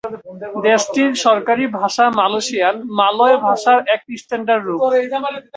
দেশটির সরকারি ভাষা মালয়েশিয়ান, মালয় ভাষার একটি স্ট্যান্ডার্ড রূপ।